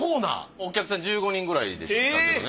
お客さん１５人くらいでしたけどね。